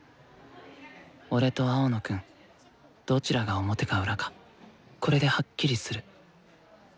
俺と青野くんどちらが表か裏かこれではっきりする。